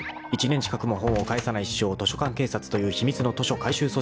［１年近くも本を返さない師匠を図書館警察という秘密の図書回収組織が狙っていた］